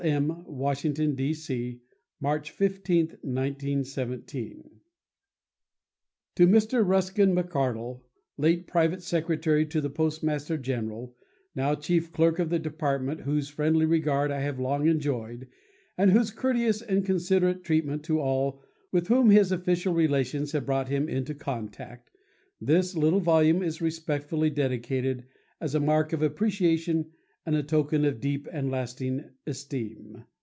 M. Washington, D. C. March 15, 1917. To Mr. Ruskin McArdle, late Private Secretary to the Postmaster General, now Chief Clerk of the Department, whose friendly regard I have long enjoyed and whose courteous and considerate treatment to all with whom his official relations have brought him into contact, this little volume is respectfully dedicated as a mark of appreciation and a token of deep and lasting esteem.